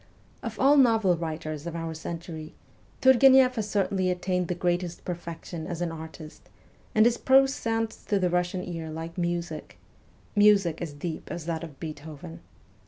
Of all novel writers of our century, Turgueneff has certainly attained the greatest perfection as an artist, and his prose sounds to the Kussian ear like music music as deep as that of Beethoven.